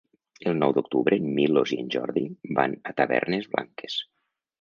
El nou d'octubre en Milos i en Jordi van a Tavernes Blanques.